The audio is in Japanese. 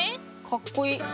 かっこいい！